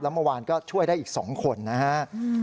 แล้วเมื่อวานก็ช่วยได้อีก๒คนนะฮะ